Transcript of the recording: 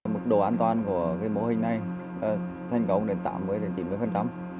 mức độ an toàn của mô hình này thành công đến tám mươi đến chín mươi phần tấm